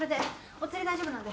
おつり大丈夫なんで。